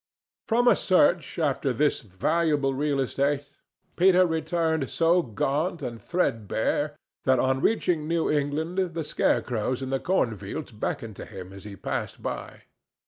From a search after this valuable real estate Peter returned so gaunt and threadbare that on reaching New England the scarecrows in the corn fields beckoned to him as he passed by.